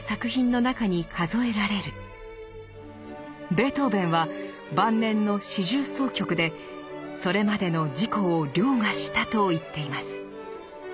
ベートーベンは晩年の四重奏曲で「それまでの自己を凌駕」したと言っています。